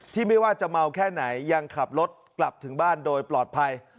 ไม่ว่าจะเมาแค่ไหนยังขับรถกลับถึงบ้านโดยปลอดภัย